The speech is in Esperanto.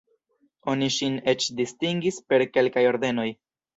Oni ŝin eĉ distingis per kelkaj ordenoj.